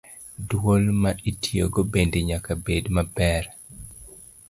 Dwol ma itiyogo bende nyaka bed maber.